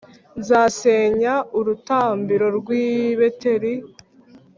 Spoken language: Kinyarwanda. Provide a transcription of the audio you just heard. nzasenya urutambiro rw’i Beteli,